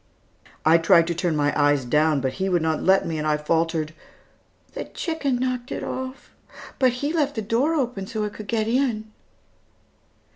I tried to turn my eyes down, but he would not let me, and I faltered, "The chicken knocked it off, but he left the door open so it could get in."